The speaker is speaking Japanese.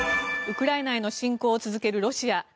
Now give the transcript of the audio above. ウクライナへの侵攻を続けるロシア。